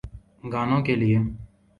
گانوں کیلئے۔